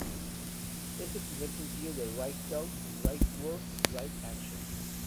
Es el primer sencillo de "Right Thoughts, Right Words, Right Action".